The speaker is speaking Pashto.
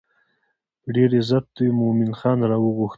په ډېر عزت یې مومن خان راوغوښت.